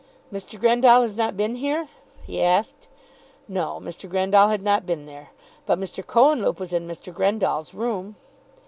"Mr. Grendall has not been here?" he asked. No; Mr. Grendall had not been there; but Mr. Cohenlupe was in Mr. Grendall's room.